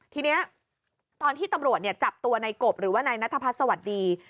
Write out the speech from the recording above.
ทีนี้ตอนที่ตำรวจจับตัวในกบหรือว่านายนัทพัฒน์สวัสดี